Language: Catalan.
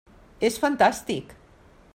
És fantàstic!